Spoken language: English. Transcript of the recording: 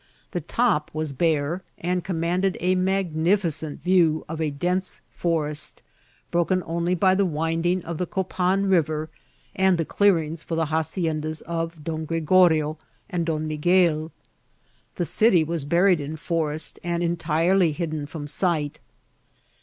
The top was bare, and commanded a magnificent view of a dense forest, broken only by the winding of the CqfMUi Biver, and the clearings for the haciendas of Don Gre gorio and Don Miguel. The city was buried in forest and entirely hidden from sight.